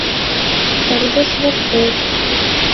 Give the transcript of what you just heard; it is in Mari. Пырдыж воктек!..